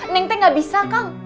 neng teh gak bisa